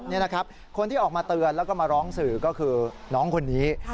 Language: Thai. นี่นะครับคนที่ออกมาเตือนแล้วก็มาร้องสื่อก็คือน้องคนนี้